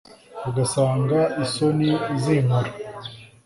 ugasanga isoni zinkora